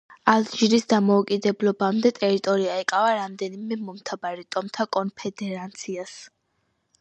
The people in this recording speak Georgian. ალჟირის დამოუკიდებლობამდე, ტერიტორია ეკავა რამდენიმე მომთაბარე ტომთა კონფედერაციას.